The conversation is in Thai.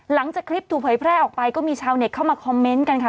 หลังจากคลิปถูกเผยแพร่ออกไปก็มีชาวเน็ตเข้ามาคอมเมนต์กันค่ะ